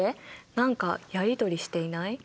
何かやりとりしていない？